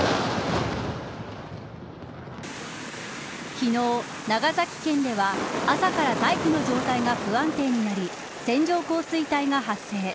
昨日、長崎県では朝から大気の状態が不安定になり線状降水帯が発生。